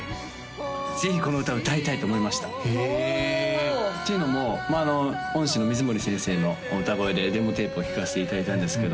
ぜひこの歌歌いたいって思いましたへえっていうのも恩師の水森先生の歌声でデモテープを聴かせていただいたんですけど